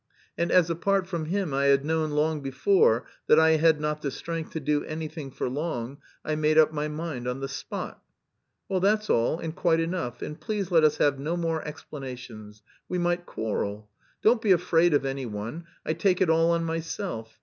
And as apart from him I had known long before that I had not the strength to do anything for long, I made up my mind on the spot. Well, that's all and quite enough, and please let us have no more explanations. We might quarrel. Don't be afraid of anyone, I take it all on myself.